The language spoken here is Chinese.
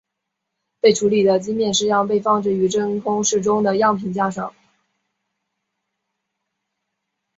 被处理的晶片试样放置于真空室中的样品架上。